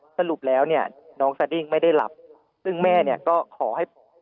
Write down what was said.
สรุปแล้วเนี่ยน้องสดิ้งไม่ได้หลับซึ่งแม่เนี่ยก็ขอให้